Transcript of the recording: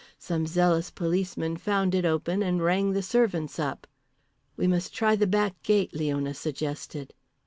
Some zealous policeman found it open and rang the servants up." "We must try the back gate," Leona suggested.